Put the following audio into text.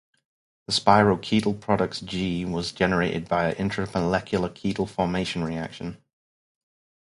The spiroketal product G was generated via intramolecular ketal formation reaction.